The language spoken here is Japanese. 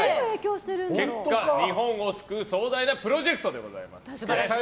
結果、日本を救う壮大なプロジェクトでございます。